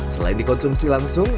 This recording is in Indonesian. selain dikonsumsi langsung